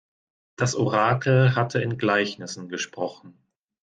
Das Orakel hatte in Gleichnissen gesprochen.